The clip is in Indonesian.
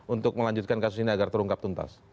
untuk melanjutkan kasus ini agar terungkap tuntas